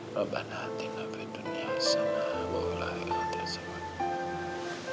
rabbana atinna bi dunya sama'a wa'alaikumsalam